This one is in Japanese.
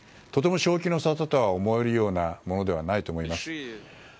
とても正気の沙汰とは思えるようなものではないと思います。